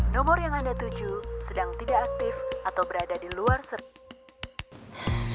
nomor yang anda tuju sedang tidak aktif atau berada di luar sertif